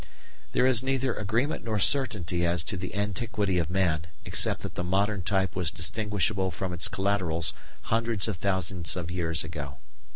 There is neither agreement nor certainty as to the antiquity of man, except that the modern type was distinguishable from its collaterals hundreds of thousands of years ago.